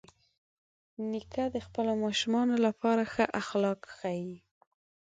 نیکه د خپلو ماشومانو لپاره ښه اخلاق ښيي.